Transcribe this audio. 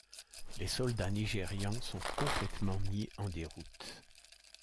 Les soldats nigérians sont complètement mis en déroute.